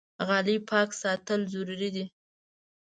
غالۍ پاک ساتل ضروري دي.